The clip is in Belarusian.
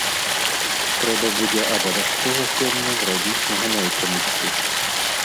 Трэба будзе абавязкова сёння зрабіць наганяй камусьці.